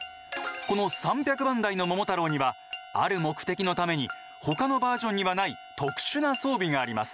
この３００番代の「桃太郎」にはある目的のために他のバージョンにはない特殊な装備があります。